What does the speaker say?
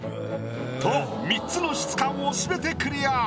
と３つの質感を全てクリア。